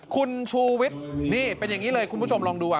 คุณชูวิทย์นี่เป็นอย่างนี้เลยคุณผู้ชมลองดู